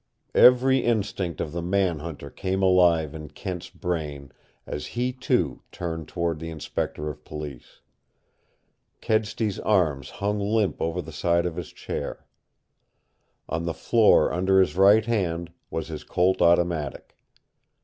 Every instinct of the man hunter became alive in Kent's brain as he, too, turned toward the Inspector of Police. Kedsty's arms hung limp over the side of his chair. On the floor under his right hand was his Colt automatic.